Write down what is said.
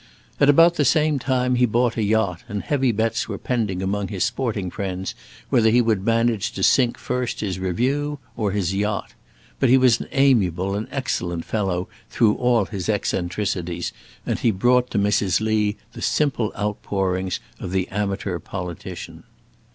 At about the same time he bought a yacht, and heavy bets were pending among his sporting friends whether he would manage to sink first his Review or his yacht. But he was an amiable and excellent fellow through all his eccentricities, and he brought to Mrs. Lee the simple outpourings of the amateur politician.